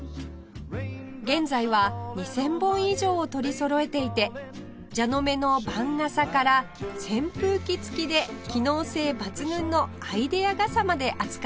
現在は２０００本以上を取りそろえていて蛇の目の番傘から扇風機付きで機能性抜群のアイデア傘まで扱っています